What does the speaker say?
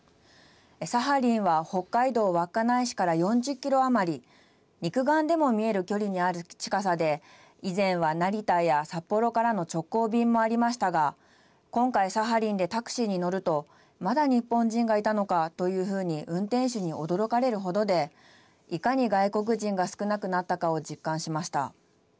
サハリンは北海道稚内市から４０キロ余り肉眼でも見える距離にある近さで以前は成田や札幌からの直行便もありましたが今回サハリンでタクシーに乗るとまだ日本人がいたのかというふうに運転手に驚かれる程でいかに外国人が少なくなったかを実感しました。